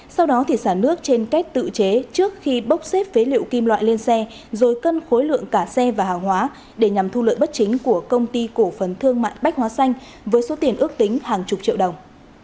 sau đó xả nước trên kết tự chế trước khi bốc xếp phế liệu kim loại lên xe rồi cân khối lượng cả xe và hàng hóa để nhằm thu lợi bất chính của công ty cổ phần thương mại bách hóa xanh với số tiền ước tính hàng chục triệu đồng